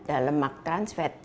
yang satu lemak trans fat